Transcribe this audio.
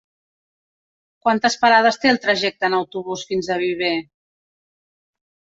Quantes parades té el trajecte en autobús fins a Viver?